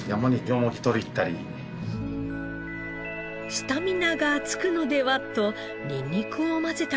スタミナがつくのでは？とニンニクを混ぜた事もあります。